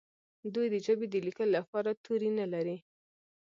دوی د ژبې د لیکلو لپاره توري نه لري.